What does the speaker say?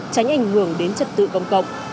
tránh ảnh hưởng đến trật tự công cộng